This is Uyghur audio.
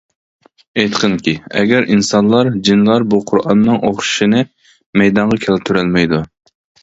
ئېيتقىنكى، «ئەگەر ئىنسانلار، جىنلار بۇ قۇرئاننىڭ ئوخشىشىنى مەيدانغا كەلتۈرەلمەيدۇ» .